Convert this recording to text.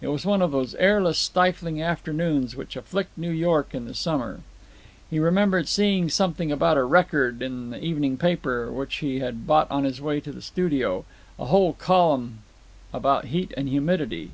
It was one of those airless, stifling afternoons which afflict New York in the summer. He remembered seeing something about a record in the evening paper which he had bought on his way to the studio, a whole column about heat and humidity.